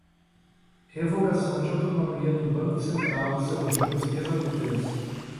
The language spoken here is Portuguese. Revogação da autonomia do Banco Central e seus juros exorbitantes